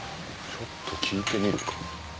ちょっと聞いてみるか。